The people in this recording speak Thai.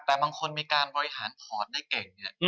แต่บางคนมีการบริหารพอร์ตได้เก่งเนี่ย